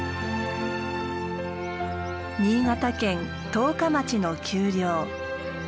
新潟県十日町の丘陵。